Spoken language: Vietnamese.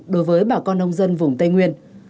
đối với bà con nông dân vùng tây nguyên